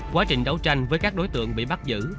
quá trình đấu tranh với các đối tượng bị bắt giữ